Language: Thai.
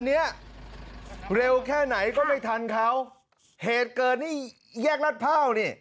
เนี้ยเร็วแค่ไหนก็ไม่ทันเขาเหตุเกิดที่แยกรัฐพร้าวนี่